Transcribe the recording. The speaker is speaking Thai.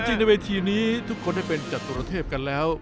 ในเวทีนี้ทุกคนได้เป็นจตุรเทพกันแล้ว